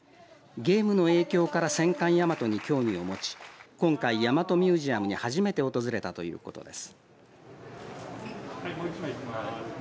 ゲームの影響から戦艦大和に興味を持ち今回、大和ミュージアムに初めて訪れたということです。